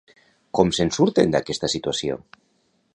Com se'n surten d'aquesta situació?